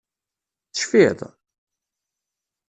Tecfiḍ?